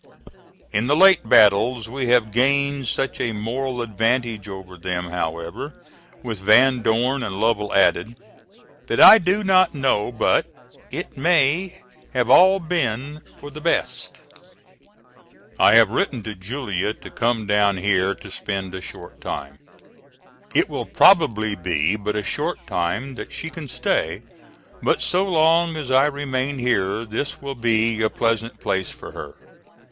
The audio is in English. In the late battles we have gained such a moral advantage over them however, with Van Dorn and Lovell added, that I do not know but it may have all been for the best. I have written to Julia to come down here to spend a short time. It will probably be but a short time that she can stay, but so long as I remain here this will be a pleasant place for her.